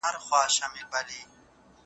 د باور فضا کله په کور کي حاکميږي؟